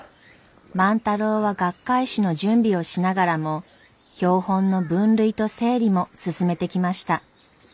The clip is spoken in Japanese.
万太郎は学会誌の準備をしながらも標本の分類と整理も進めてきました。